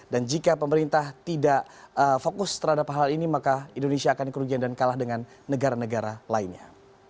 dan jika pemerintah tidak fokus terhadap hal ini maka indonesia akan kerugian dan kalah dengan negara negara lainnya